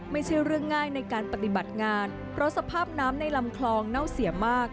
ไม่ใช่เรื่องง่ายในการปฏิบัติงานเพราะสภาพน้ำในลำคลองเน่าเสียมาก